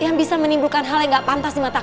yang bisa menimbulkan hal yang gak pantas di mata